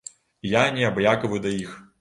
І я неабыякавы да іх.